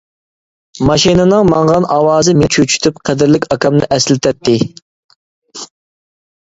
ماشىنىنىڭ ماڭغان ئاۋازى مېنى چۆچۈتۈپ قەدىرلىك ئاكامنى ئەسلىتەتتى.